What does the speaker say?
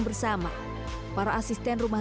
bersama para asisten rumah